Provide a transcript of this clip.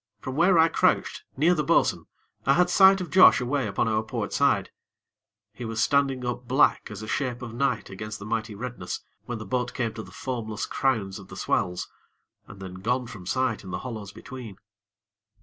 From where I crouched near the bo'sun, I had sight of Josh away upon our port side: he was standing up black as a shape of night against the mighty redness, when the boat came to the foamless crowns of the swells, and then gone from sight in the hollows between.